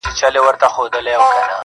• ښكلي دا ستا په يو نظر كي جــادو.